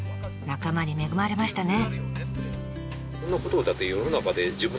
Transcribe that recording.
仲間に恵まれましたね。